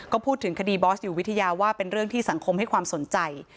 ก็พูดถึงคดีบอสอยู่วิทยาว่าเป็นเรื่องที่สังคมให้ความสนใจ